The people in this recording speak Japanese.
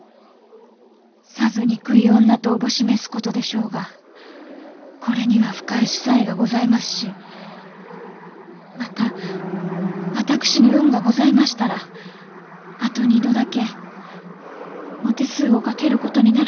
さぞ憎い女とおぼし召す事でしょうがこれには深い子細がございますしまた私に運がございましたらあと２度だけお手数をかける事になると思います」